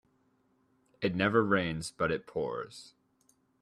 It never rains but it pours